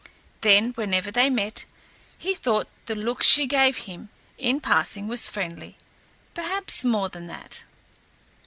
Then whenever they met, he thought the look she gave him in passing was friendly perhaps more than that.